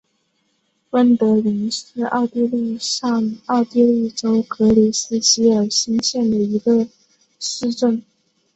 温德灵是奥地利上奥地利州格里斯基尔兴县的一个市镇。